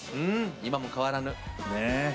今も変わらぬ。